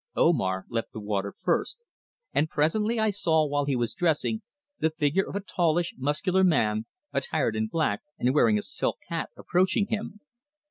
Omar left the water first, and presently I saw while he was dressing the figure of a tallish, muscular man attired in black and wearing a silk hat approaching him.